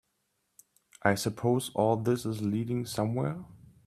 I suppose all this is leading somewhere?